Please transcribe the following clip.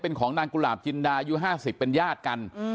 เป็นของนางกุหลาบจินดาอายุ๕๐เป็นญาติกัน